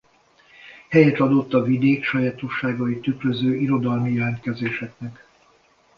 Helyet adott a vidék sajátosságait tükröző irodalmi jelentkezéseknek.